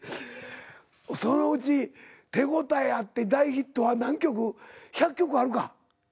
そのうち手応えあって大ヒットは何曲？１００曲あるか。